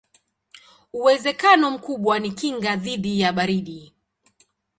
Uwezekano mkubwa ni kinga dhidi ya baridi.